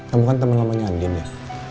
kamu kan temen temennya andien ya